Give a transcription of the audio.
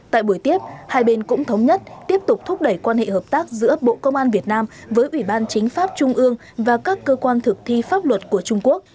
tại buổi tiếp hai bên cũng thống nhất tiếp tục thúc đẩy quan hệ hợp tác giữa bộ công an việt nam với ủy ban chính pháp trung ương và các cơ quan thực thi pháp luật của trung quốc